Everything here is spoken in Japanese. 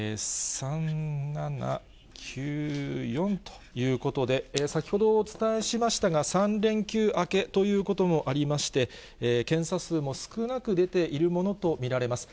３７９４ということで、先ほどお伝えしましたが、３連休明けということもありまして、検査数も少なく出ているものと見られます。